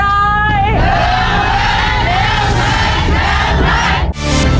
เท่าไหร่เท่าไหร่เท่าไหร่